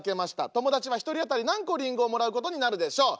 友達は１人当たり何個リンゴをもらうことになるでしょう。